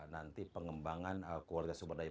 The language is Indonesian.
nanti pengembangan keluarga sumber daya